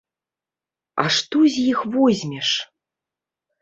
А што з іх возьмеш?